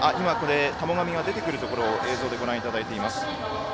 田母神が出てくるところをご覧いただいています。